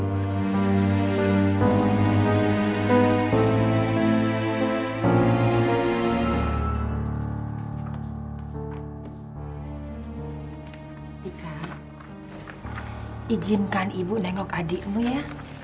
ketika izinkan ibu nengok adikmu ya